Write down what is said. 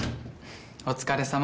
お疲れさま。